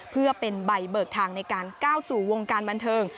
เพื่อเป็นใบเบิกทางในการก้าวสู่วงการบันเทิง